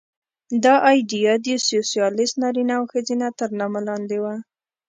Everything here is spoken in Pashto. دا ایډیا د سوسیالېست نارینه او ښځه تر نامه لاندې وه